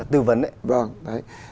tư vấn đấy